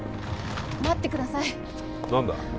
待ってください何だ？